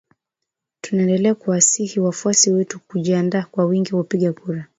Tunaendelea kuwasihi wafuasi wetu kujiandikisha kwa wingi kupiga kura